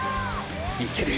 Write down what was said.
いける！！